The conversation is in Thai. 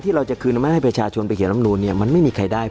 ที่เราจะขืนมาให้ประชาชนไปเขียนรำรูนมันไม่ได้